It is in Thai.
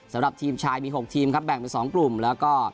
สำหรับทีมชายมี๖ทีมครับแบ่งเป็น๒กลุ่มแล้วก็